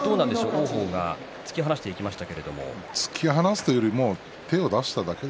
王鵬が突き放していきました。